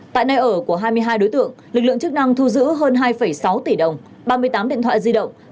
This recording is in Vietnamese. tại nơi ở của hai mươi hai đối tượng lực lượng chức năng thu giữ hơn hai sáu tỷ đồng ba mươi tám điện thoại di động